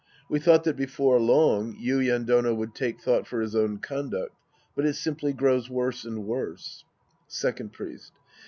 We thought that before long Yuien Dono would take thought for liis own conduct, but it simply grows worse and worse. Second Priest.